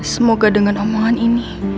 semoga dengan omongan ini